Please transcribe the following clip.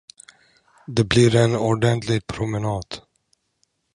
Det blir en ordentlig promenad.